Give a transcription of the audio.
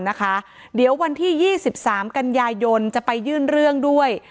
นะคะเดี๋ยววันที่ยี่สิบสามกันยายยนต์จะไปยื่นเรื่องด้วย